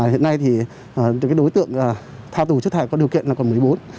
hiện nay đối tượng thao tù chất thải có điều kiện còn một mươi bốn